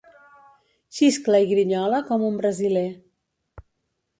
Xiscla ¡ grinyola com un brasiler.